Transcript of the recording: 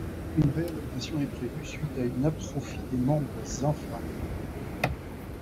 Une réadapatation est prévue suite a une atrophie des membres inférieurs.